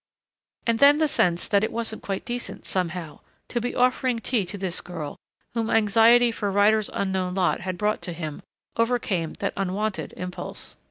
And then the sense that it wasn't quite decent, somehow, to be offering tea to this girl whom anxiety for Ryder's unknown lot had brought to him overcame that unwonted impulse.